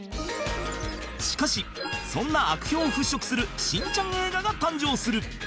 しかしそんな悪評を払拭する『しんちゃん』映画が誕生する